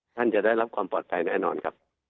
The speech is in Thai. จะได้รับความปลอดภัยแน่นอนครับ